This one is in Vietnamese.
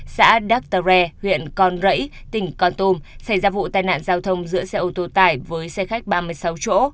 xã đắc tờ re huyện con rẫy tỉnh con tôm xảy ra vụ tai nạn giao thông giữa xe ô tô tải với xe khách ba mươi sáu chỗ